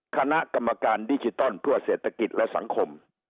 คณะกรรมการดิจิตอลเพื่อเศรษฐกิจและสังคม